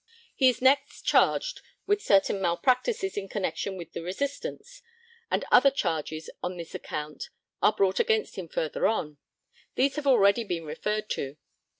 He is next charged with certain malpractices in connexion with the Resistance, and other charges on this account are brought against him further on; these have already been referred to.